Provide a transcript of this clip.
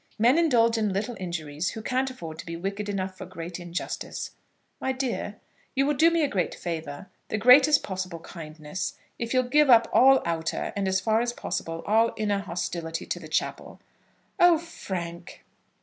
Men indulge in little injuries who can't afford to be wicked enough for great injustice. My dear, you will do me a great favour, the greatest possible kindness, if you'll give up all outer, and, as far as possible, all inner hostility to the chapel." "Oh, Frank!"